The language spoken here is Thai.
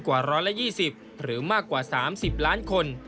กว่า๑๒๐หรือมากกว่า๓๐ล้านคน